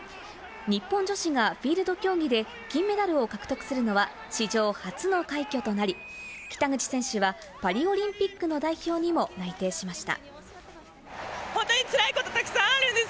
日本女子がフィールド競技で金メダルを獲得するのは史上初の快挙となり、北口選手はパリオリンピックの代表にも内定しました。